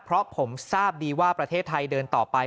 เพราะผมทราบดีว่าประเทศไทยเดินต่อไป